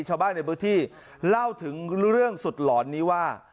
ชาวบ้านในพื้นที่เล่าถึงเรื่องสุดหลอนนี้ว่า